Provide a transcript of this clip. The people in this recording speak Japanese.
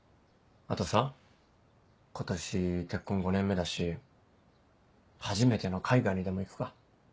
あとさ今年結婚５年目だし初めての海外にでも行くか？